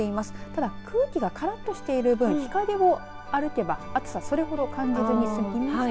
ただ空気がからっとしている分日陰を歩けば暑さはそれほど感じないです。